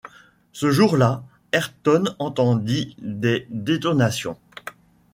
Ce jour-là, Ayrton entendit des détonations.